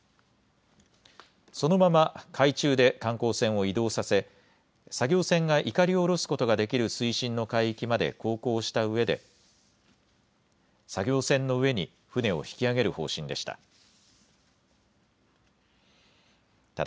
そのまま海中で観光船を移動させ作業船がいかりを下ろすことができる水深の海域まで航行したうえで作業船の上に船を引き揚げる方針でした。